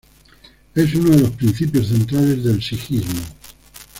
Es uno de los principios centrales del sijismo.